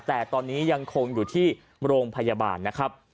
แต่ตอนนี้ยังคงอยู่ที่โรงพยาบาลนะครับ